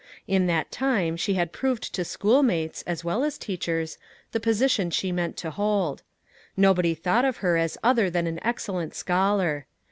In that time she had proved to schoolmates, as well as teachers, the position she meant to hold. Nobody thought of her as other than an excellent scholar.